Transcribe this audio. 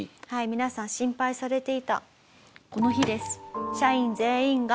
皆さん心配されていたこの日です。